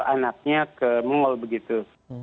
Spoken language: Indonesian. anaknya ke mongol begitu